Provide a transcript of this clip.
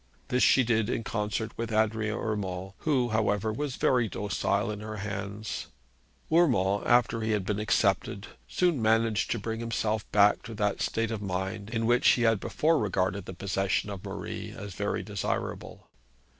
This she did in concert with Adrian Urmand, who, however, was very docile in her hands. Urmand, after he had been accepted, soon managed to bring himself back to that state of mind in which he had before regarded the possession of Marie Bromar as very desirable.